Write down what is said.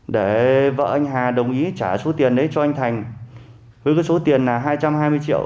để vợ anh hà đồng ý trả số tiền đấy cho anh thành với cái số tiền là hai trăm hai mươi triệu